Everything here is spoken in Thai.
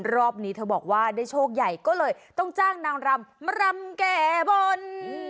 รอบนี้เธอบอกว่าได้โชคใหญ่ก็เลยต้องจ้างนางรำมารำแก่บน